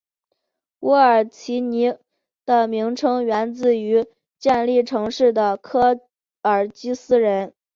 乌尔齐尼的名称源于建立城市的科尔基斯人。